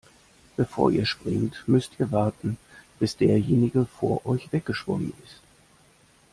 Bevor ihr springt, müsst ihr warten, bis derjenige vor euch weggeschwommen ist.